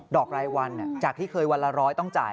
อกรายวันจากที่เคยวันละร้อยต้องจ่าย